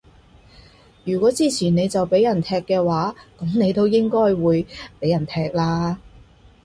如果支持你就畀人踢嘅話，噉你都應該會畀人踢啦